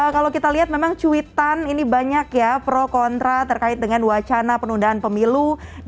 kalau kita lihat memang cuitan ini banyak ya pro kontra terkait dengan wacana penundaan pemilu dua ribu dua puluh